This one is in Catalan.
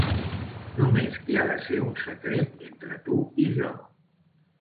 Només que ha de ser un secret entre tu i jo.